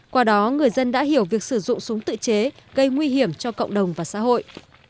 qua đó người dân đã hiểu việc sử dụng súng tự chế gây nguy hiểm cho cộng đồng và xã hội